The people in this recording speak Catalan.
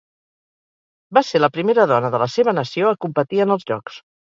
Va ser la primera dona de la seva nació a competir en els Jocs.